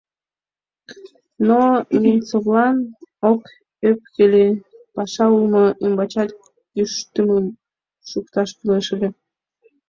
Но Венцовлан ок ӧпкеле: паша улмо ӱмбачат кӱштымым шукташ кӱлеш ыле.